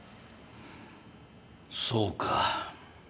そうか。